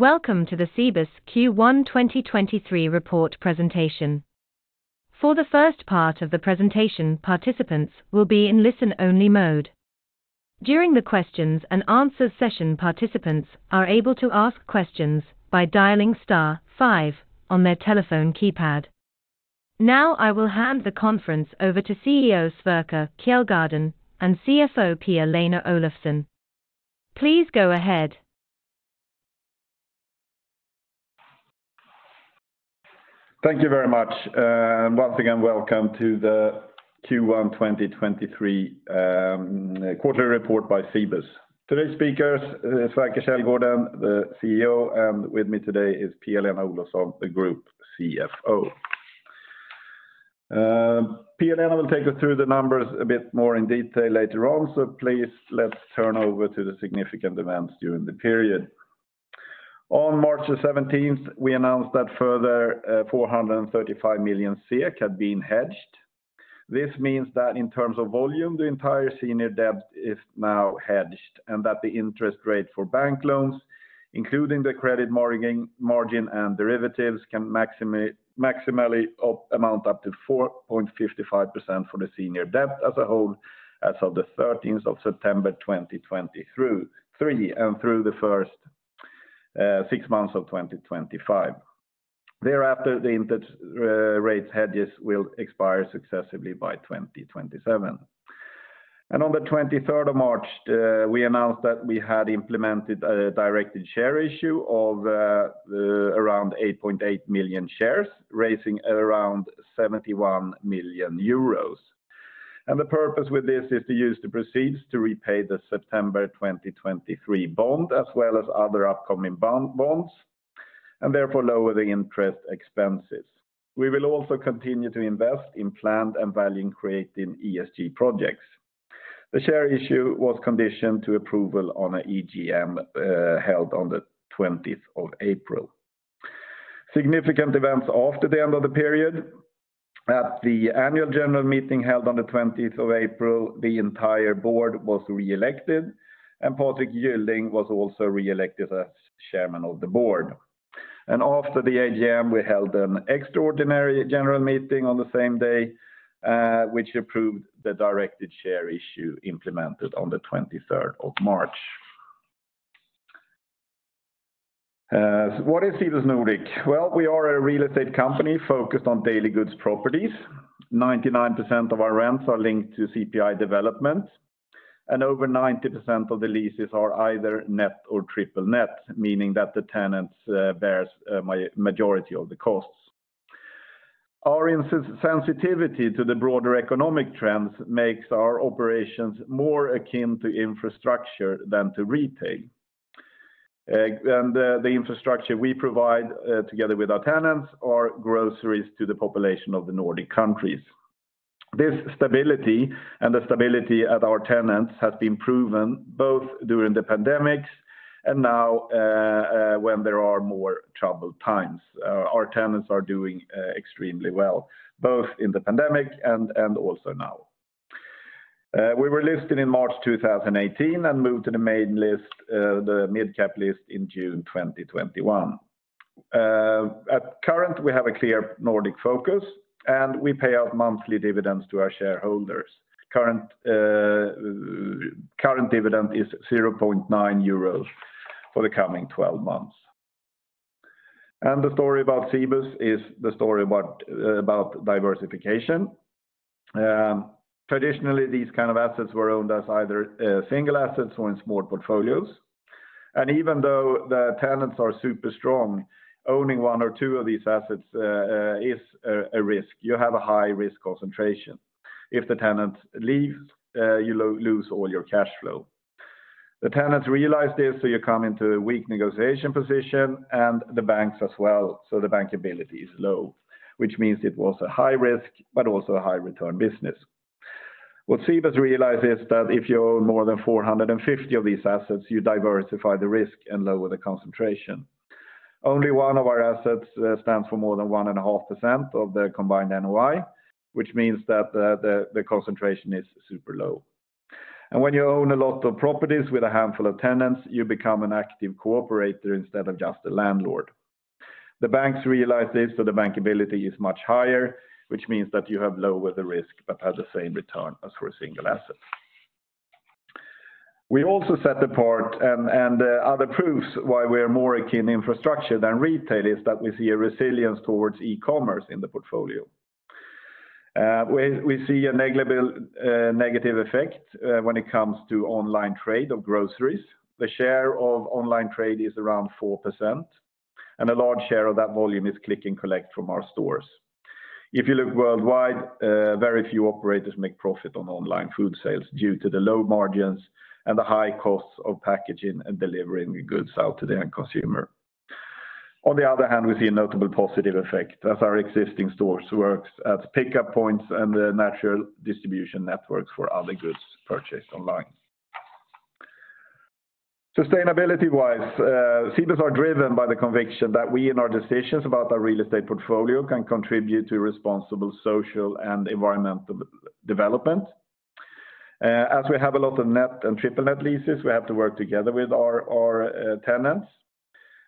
Welcome to the Cibus Q1 2023 report presentation. For the first part of the presentation, participants will be in listen-only mode. During the questions and answers session, participants are able to ask questions by dialing star five on their telephone keypad. Now I will hand the conference over to CEO Sverker Källgården and CFO Pia-Lena Olofsson. Please go ahead. Thank you very much. Once again, welcome to the Q1 2023 quarterly report by Cibus. Today's speakers, Sverker Källgården, the CEO, and with me today is Pia-Lena Olofsson, the group CFO. Pia-Lena will take us through the numbers a bit more in detail later on. Please, let's turn over to the significant events during the period. On March 17th, we announced that further 435 million SEK had been hedged. This means that in terms of volume, the entire senior debt is now hedged, and that the interest rate for bank loans, including the credit margin and derivatives, can maximally amount up to 4.55% for the senior debt as a whole as of the 13th of September 2023, and through the first six months of 2025. Thereafter, the interest rates hedges will expire successively by 2027. On the 23rd of March, we announced that we had implemented a directed share issue of around 8.8 million shares, raising around 71 million euros. The purpose with this is to use the proceeds to repay the September 2023 bond as well as other upcoming bonds, and therefore lower the interest expenses. We will also continue to invest in planned and value-creating ESG projects. The share issue was conditioned to approval on a EGM held on the 20th of April. Significant events after the end of the period. At the annual general meeting held on the 20th of April, the entire board was reelected, and Patrick Gylling was also reelected as Chairman of the Board. After the AGM, we held an extraordinary general meeting on the same day, which approved the directed share issue implemented on the 23rd of March. What is Cibus Nordic? Well, we are a real estate company focused on daily goods properties. 99% of our rents are linked to CPI development, and over 90% of the leases are either net or triple net, meaning that the tenants bears majority of the costs. Our insensitivity to the broader economic trends makes our operations more akin to infrastructure than to retail. The infrastructure we provide, together with our tenants are groceries to the population of the Nordic countries. This stability and the stability at our tenants has been proven both during the pandemics and now, when there are more troubled times. Our tenants are doing extremely well, both in the pandemic and also now. We were listed in March 2018 and moved to the main list, the Mid Cap list in June 2021. At current, we have a clear Nordic focus. We pay out monthly dividends to our shareholders. Current dividend is 0.9 euros for the coming 12 months. The story about Cibus is the story about diversification. Traditionally, these kind of assets were owned as either single assets or in small portfolios. Even though the tenants are super strong, owning one or two of these assets is a risk. You have a high-risk concentration. If the tenant leaves, you lose all your cash flow. The tenants realize this, you come into a weak negotiation position and the banks as well, the bankability is low, which means it was a high risk, but also a high return business. What Cibus realized is that if you own more than 450 of these assets, you diversify the risk and lower the concentration. Only one of our assets stands for more than 1.5% of the combined NOI, which means that the, the concentration is super low. When you own a lot of properties with a handful of tenants, you become an active cooperator instead of just a landlord. The banks realize this, the bankability is much higher, which means that you have lower the risk, but have the same return as for a single asset. We also set apart and other proofs why we are more akin infrastructure than retail is that we see a resilience towards e-commerce in the portfolio. We see a negligible negative effect when it comes to online trade of groceries. The share of online trade is around 4%. A large share of that volume is click and collect from our stores. If you look worldwide, very few operators make profit on online food sales due to the low margins and the high costs of packaging and delivering goods out to the end consumer. On the other hand, we see a notable positive effect as our existing stores works as pickup points and the natural distribution network for other goods purchased online. Sustainability-wise, Cibus are driven by the conviction that we in our decisions about our real estate portfolio can contribute to responsible social and environmental development. As we have a lot of net and triple net leases, we have to work together with our tenants.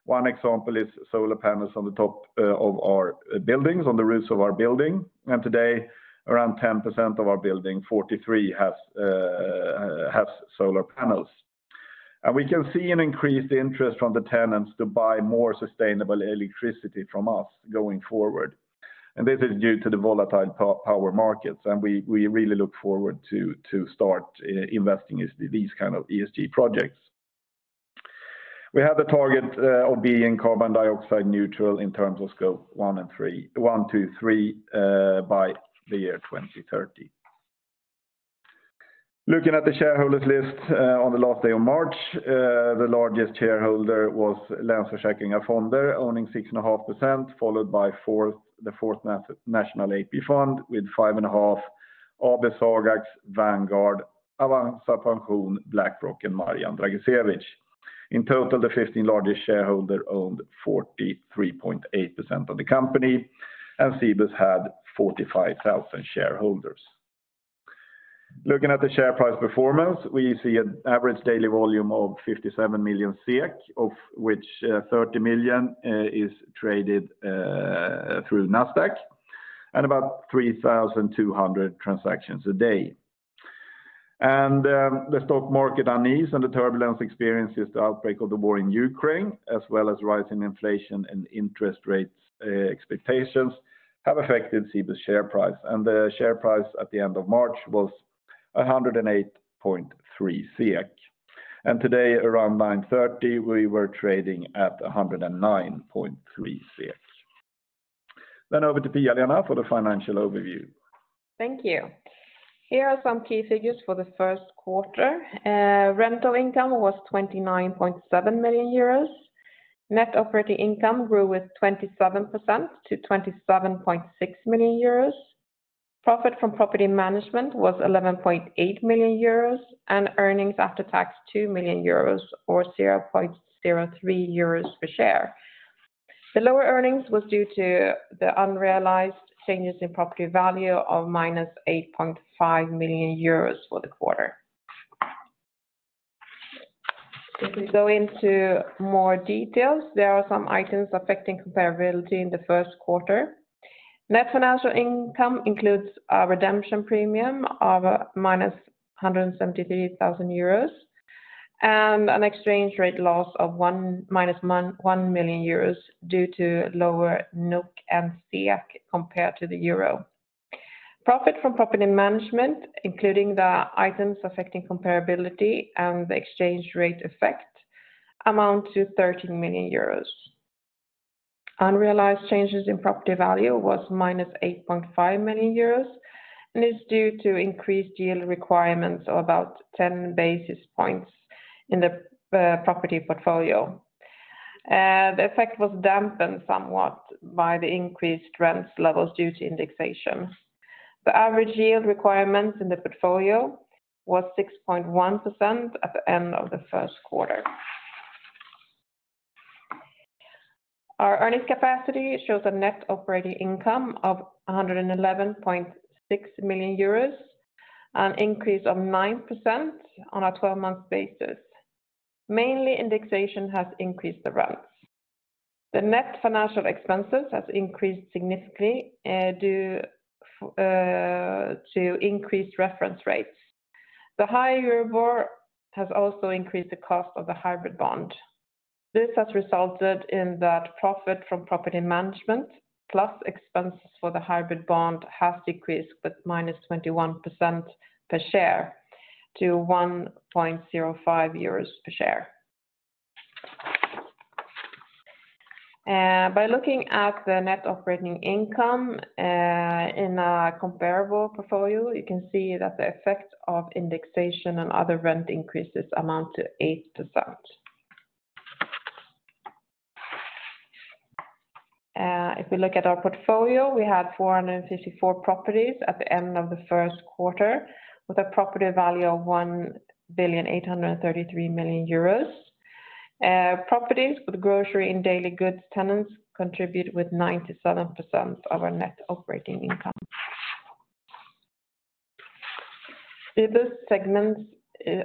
One example is solar panels on the top of our buildings, on the roofs of our building. Today, around 10% of our building 43 has solar panels. We can see an increased interest from the tenants to buy more sustainable electricity from us going forward. This is due to the volatile power markets, and we really look forward to start investing in these kind of ESG projects. We have the target of being carbon dioxide neutral in terms of Scope 1 and 3 by the year 2030. Looking at the shareholders list, on the last day of March, the largest shareholder was Länsförsäkringar Fonder, owning 6.5%, followed by the Fourth National AP Fund with 5.5%, AB Sagax, Vanguard, Avanza Pension, BlackRock, and Marijan Dragicevic. In total, the 15 largest shareholder owned 43.8% of the company, and Cibus had 45,000 shareholders. Looking at the share price performance, we see an average daily volume of 57 million SEK, of which 30 million SEK is traded through Nasdaq, and about 3,200 transactions a day. The stock market unease and the turbulence experienced since the outbreak of the war in Ukraine, as well as rising inflation and interest rates expectations, have affected Cibus share price. The share price at the end of March was 108.3 SEK. Today around 9:30 A.M., we were trading at 109.3 SEK. Over to Pia-Lena for the financial overview. Thank you. Here are some key figures for the Q1. Rental income was 29.7 million euros. Net operating income grew with 27% to 27.6 million euros. Profit from property management was 11.8 million euros, and earnings after tax, 2 million euros or 0.03 euros per share. The lower earnings was due to the unrealized changes in property value of minus 8.5 million euros for the quarter. If we go into more details, there are some items affecting comparability in the Q1. Net financial income includes a redemption premium of minus 173,000 euros and an exchange rate loss of minus 1.1 million euros due to lower NOK and SEK compared to the euro. Profit from property management, including the items affecting comparability and the exchange rate effect, amount to 13 million euros. Unrealized changes in property value was -8.5 million euros and is due to increased yield requirements of about 10 basis points in the property portfolio. The effect was dampened somewhat by the increased rents levels due to indexation. The average yield requirements in the portfolio was 6.1% at the end of the first quarter. Our earnings capacity shows a net operating income of 111.6 million euros, an increase of 9% on a 12-month basis. Mainly indexation has increased the rents. The net financial expenses has increased significantly due to increased reference rates. The higher board has also increased the cost of the hybrid bond. This has resulted in that profit from property management plus expenses for the hybrid bond has decreased with -21% per share to 1.05 euros per share. By looking at the net operating income in a comparable portfolio, you can see that the effect of indexation and other rent increases amount to 8%. If we look at our portfolio, we had 454 properties at the end of the first quarter, with a property value of 1.833 billion. Properties with grocery and daily goods tenants contribute with 97% of our net operating income. Cibus segments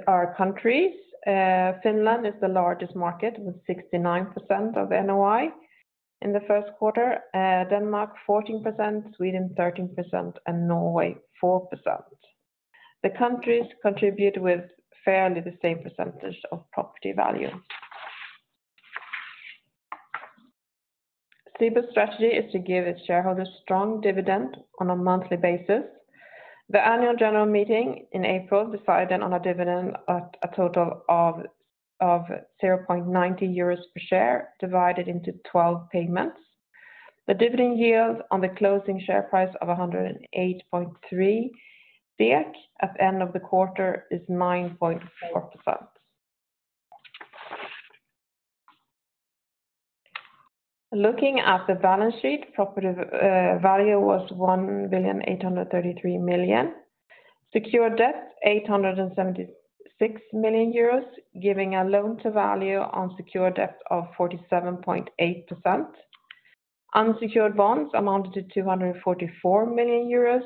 our countries. Finland is the largest market with 69% of NOI in the first quarter, Denmark, 14%, Sweden, 13%, and Norway, 4%. The countries contribute with fairly the same percentage of property value. Cibus strategy is to give its shareholders strong dividend on a monthly basis. The annual general meeting in April decided on a dividend at a total of 0.90 euros per share, divided into 12 payments. The dividend yield on the closing share price of 108.3 at the end of the quarter is 9.4%. Looking at the balance sheet, property value was 1,833 million. Secure debt, 876 million euros, giving a loan to value on secure debt of 47.8%. Unsecured bonds amounted to 244 million euros,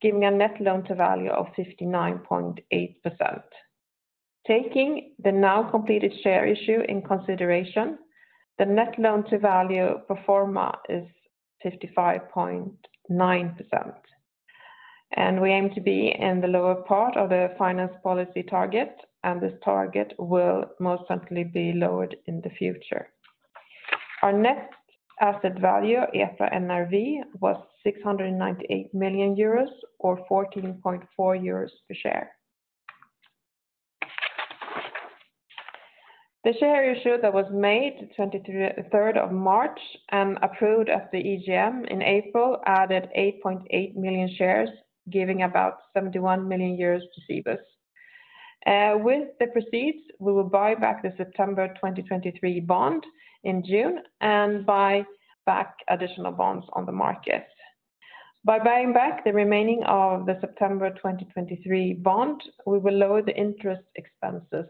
giving a net loan to value of 59.8%. Taking the now completed share issue in consideration, the net loan to value pro forma is 55.9%. We aim to be in the lower part of the finance policy target, and this target will most certainly be lowered in the future. Our net asset value, EPRA NRV, was 698 million euros or 14.4 euros per share. The share issue that was made the 23rd of March and approved at the EGM in April added 8.8 million shares, giving about 71 million euros to Cibus. With the proceeds, we will buy back the September 2023 bond in June and buy back additional bonds on the market. By buying back the remaining of the September 2023 bond, we will lower the interest expenses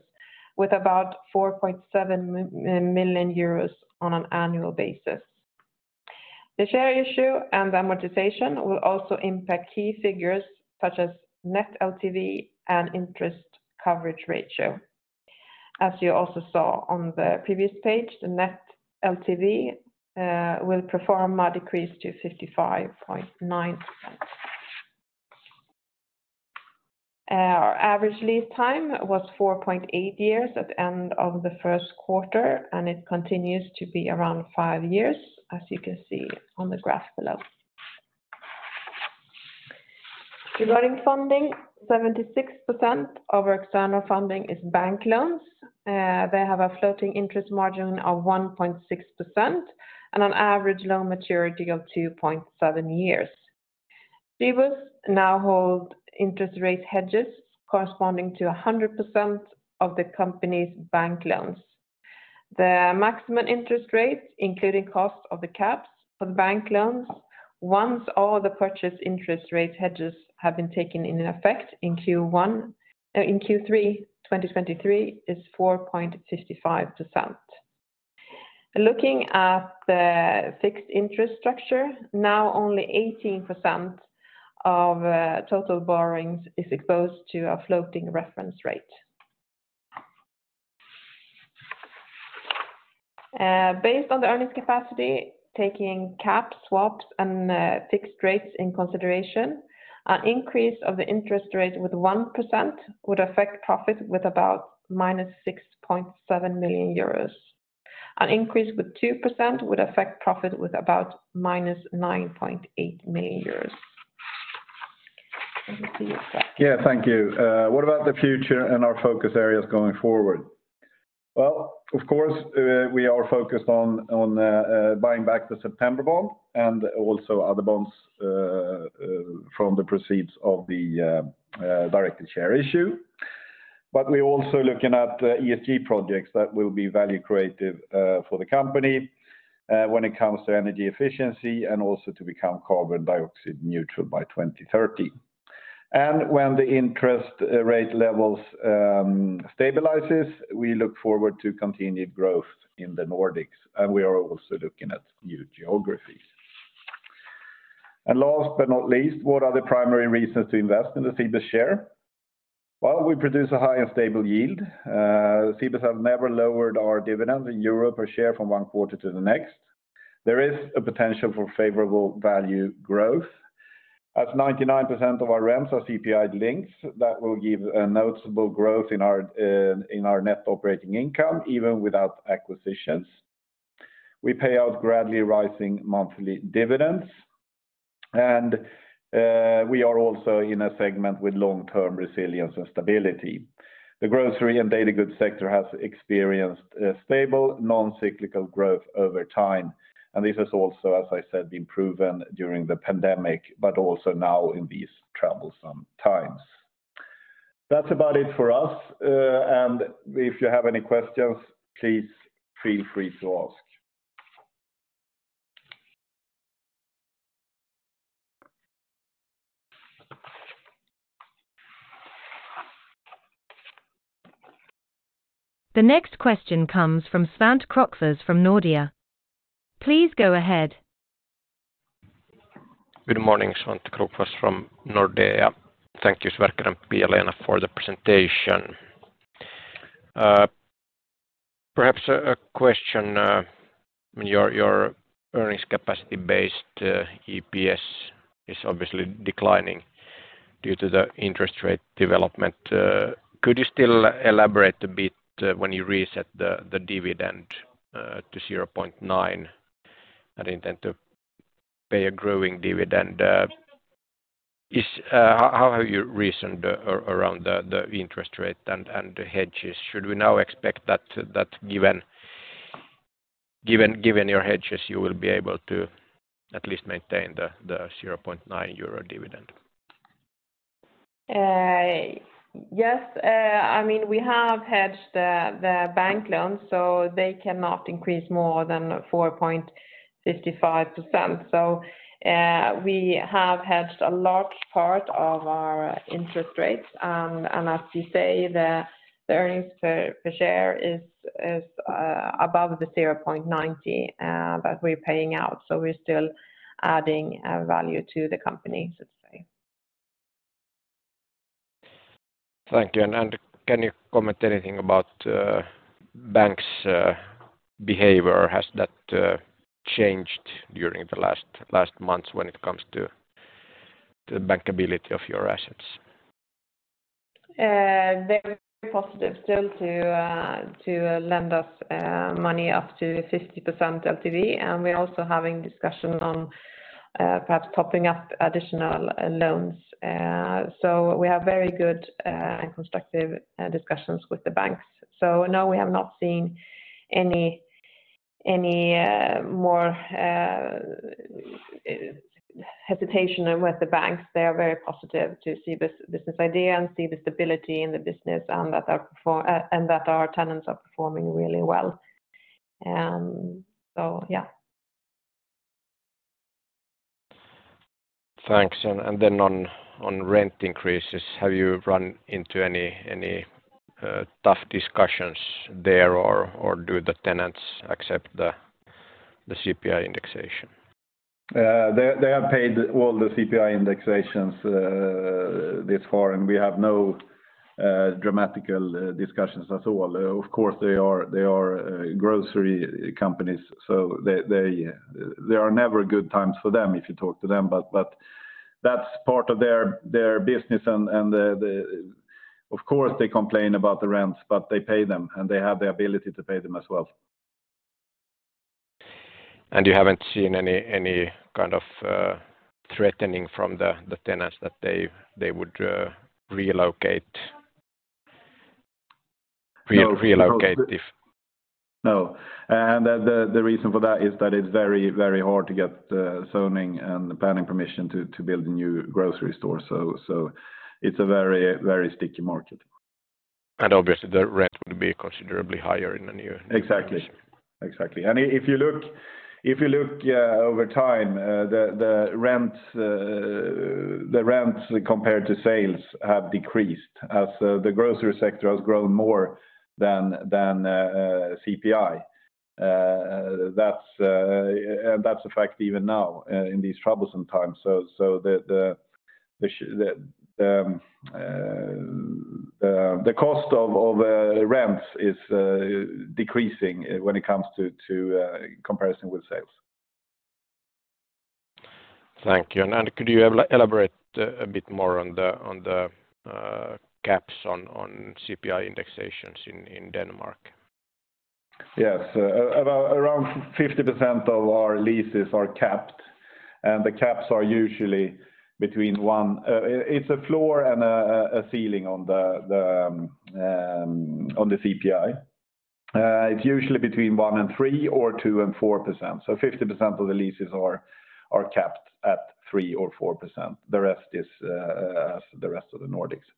with about 4.7 million euros on an annual basis. The share issue and amortization will also impact key figures such as net LTV and interest coverage ratio. As you also saw on the previous page, the net LTV will pro forma decrease to 55.9%. Our average lease time was 4.8 years at the end of the first quarter, and it continues to be around 5 years, as you can see on the graph below. Regarding funding, 76% of our external funding is bank loans. They have a floating interest margin of 1.6% and an average loan maturity of 2.7 years. Cibus now hold interest rate hedges corresponding to 100% of the company's bank loans.. The maximum interest rate, including cost of the caps for the bank loans, once all the purchase interest rate hedges have been taken in effect in Q3 2023 is 4.55%. Looking at the fixed interest structure, now only 18% of total borrowings is exposed to a floating reference rate. Based on the earnings capacity, taking caps, swaps and fixed rates in consideration, an increase of the interest rate with 1% would affect profit with about minus 6.7 million euros. An increase with 2% would affect profit with about minus 9.8 million euros. Let me see if that. Yeah, thank you. What about the future and our focus areas going forward? Well, of course, we are focused on buying back the September bond and also other bonds from the proceeds of the directed share issue. We're also looking at ESG projects that will be value creative for the company when it comes to energy efficiency and also to become carbon dioxide neutral by 2030. When the interest rate levels stabilizes, we look forward to continued growth in the Nordics, and we are also looking at new geographies. Last but not least, what are the primary reasons to invest in the Cibus share? Well, we produce a high and stable yield. Cibus have never lowered our dividends a EUR per share from one quarter to the next. There is a potential for favorable value growth. As 99% of our rents are CPI linked, that will give a noticeable growth in our net operating income, even without acquisitions. We pay out gradually rising monthly dividends. We are also in a segment with long-term resilience and stability. The grocery and daily goods sector has experienced a stable non-cyclical growth over time, and this has also, as I said, been proven during the pandemic, but also now in these troublesome times. That's about it for us. If you have any questions, please feel free to ask. The next question comes from Svante Krokfors from Nordea. Please go ahead. Good morning, Svante Krokfors from Nordea. Thank you, Sverker and Pia-Lena for the presentation. Perhaps a question, your earnings capacity-based EPS is obviously declining due to the interest rate development. Could you still elaborate a bit when you reset the dividend to 0.9 and intend to pay a growing dividend? How have you reasoned around the interest rate and the hedges? Should we now expect that given your hedges, you will be able to at least maintain the 0.9 euro dividend? Yes. I mean, we have hedged the bank loans, they cannot increase more than 4.55%. We have hedged a large part of our interest rates. As you say, the earnings per share is above 0.90 that we're paying out. We're still adding value to the company, let's say. Thank you. Can you comment anything about banks behavior? Has that changed during the last months when it comes to the bank-ability of your assets? They're positive still to lend us money up to 50% LTV, and we're also having discussion on perhaps topping up additional loans. We have very good and constructive discussions with the banks. No, we have not seen any more hesitation with the banks. They are very positive to see this idea and see the stability in the business and that our tenants are performing really well. Yeah. Thanks. On rent increases, have you run into any tough discussions there, or do the tenants accept the CPI indexation? They have paid all the CPI indexations this far. We have no dramatical discussions at all. Of course, they are grocery companies, so there are never good times for them if you talk to them. That's part of their business. Of course, they complain about the rents. They pay them, and they have the ability to pay them as well. You haven't seen any kind of threatening from the tenants that they would relocate? No. The reason for that is that it's very hard to get zoning and planning permission to build a new grocery store. It's a very sticky market. obviously, the rent would be considerably higher in the new-. Exactly. Exactly. If you look over time, the rents compared to sales have decreased as the grocery sector has grown more than CPI. That's, and that's the fact even now in these troublesome times. The cost of rents is decreasing when it comes to comparison with sales. Thank you. Could you elaborate a bit more on the caps on CPI indexations in Denmark? Yes. Around 50% of our leases are capped, and the caps are usually between one. It's a floor and a ceiling on the CPI. It's usually between one and three or two and 4%. 50% of the leases are capped at 3% or 4%. The rest is as the rest of the Nordics.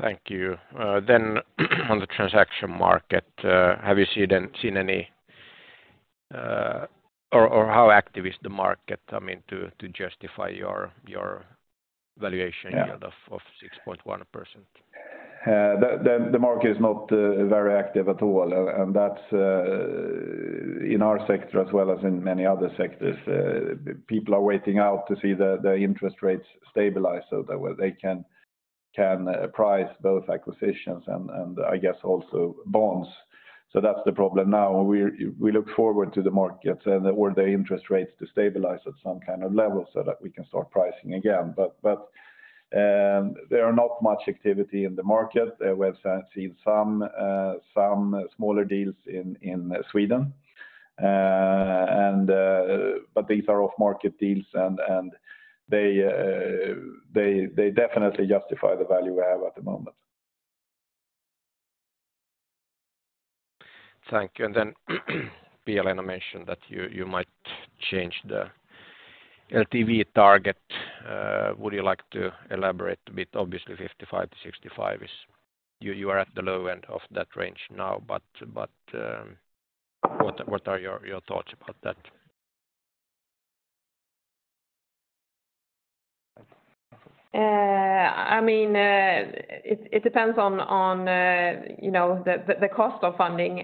Thank you. On the transaction market, how active is the market, I mean, to justify your valuation yield of 6.1%? Yeah. The market is not very active at all. That's in our sector as well as in many other sectors. People are waiting out to see the interest rates stabilize so that way they can price both acquisitions and I guess also bonds. That's the problem now. We look forward to the markets and/or the interest rates to stabilize at some kind of level so that we can start pricing again. There are not much activity in the market. We have seen some smaller deals in Sweden. These are off-market deals, and they definitely justify the value we have at the moment. Thank you. Pia-Lena mentioned that you might change the LTV target. Would you like to elaborate a bit? Obviously, 55%-65% is. You are at the low end of that range now, but what are your thoughts about that? I mean, it depends on, you know, the cost of funding,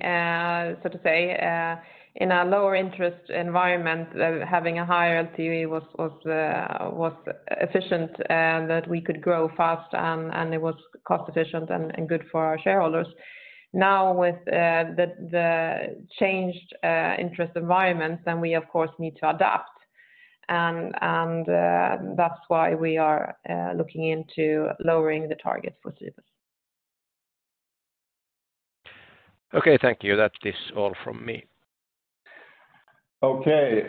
so to say. In a lower interest environment, having a higher LTV was efficient that we could grow fast and it was cost efficient and good for our shareholders. Now, with the changed interest environment, then we of course need to adapt. That's why we are looking into lowering the target for Cibus. Okay, thank you. That is all from me. Okay.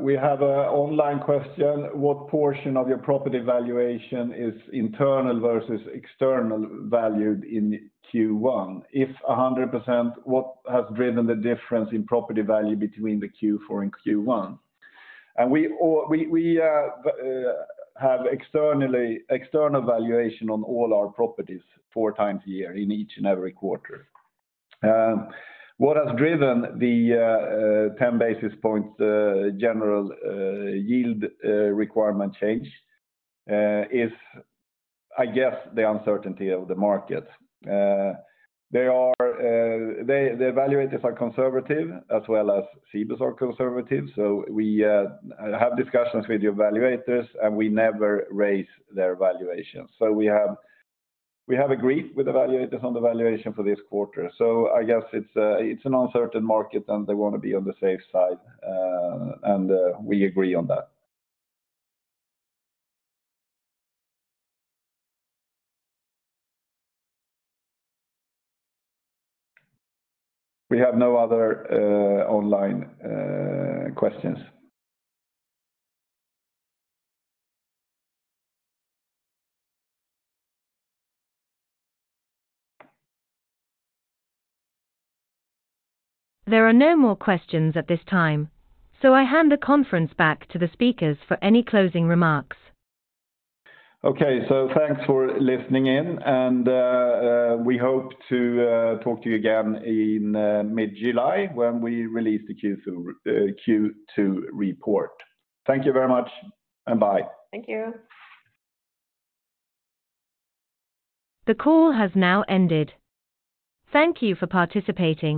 We have an online question. What portion of your property valuation is internal versus external valued in Q1? If 100%, what has driven the difference in property value between the Q4 and Q1? We have external valuation on all our properties four times a year in each and every quarter. What has driven the 10 basis points general yield requirement change is, I guess, the uncertainty of the market. They are, the evaluators are conservative, as well as Cibus are conservative. We have discussions with the evaluators, and we never raise their valuations. We have agreed with evaluators on the valuation for this quarter. I guess it's an uncertain market and they wanna be on the safe side, and we agree on that. We have no other online questions. There are no more questions at this time, so I hand the conference back to the speakers for any closing remarks. Okay. Thanks for listening in, and we hope to talk to you again in mid-July when we release the Q2 report. Thank you very much. Bye. Thank you. The call has now ended. Thank You for participating.